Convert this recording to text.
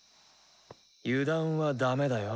油断はだめだよ。